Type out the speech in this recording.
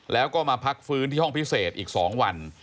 แล้วก็มาพักฟื้นที่ห้องพิเศษอีก๒วัน